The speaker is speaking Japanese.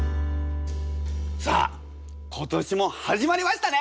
さあ今年も始まりましたね！